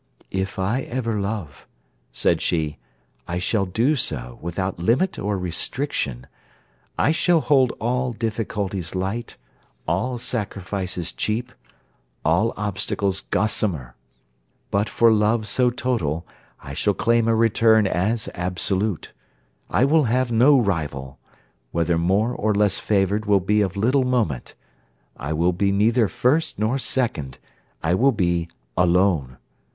'If I ever love,' said she, 'I shall do so without limit or restriction. I shall hold all difficulties light, all sacrifices cheap, all obstacles gossamer. But for love so total, I shall claim a return as absolute. I will have no rival: whether more or less favoured will be of little moment. I will be neither first nor second I will be alone.